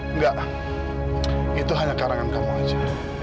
enggak itu hanya karangan kamu aja